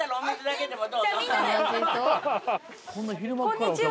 こんにちは。